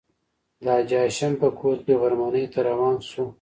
د حاجي هاشم په کور کې غرمنۍ ته روان شوو.